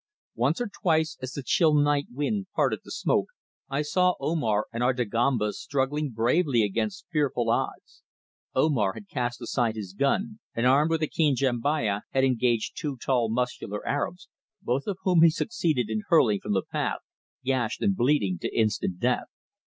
Once or twice, as the chill night wind parted the smoke, I saw Omar and our Dagombas struggling bravely against fearful odds. Omar had cast aside his gun and, armed with a keen jambiyah, had engaged two tall, muscular Arabs, both of whom he succeeded in hurling from the path, gashed and bleeding, to instant death.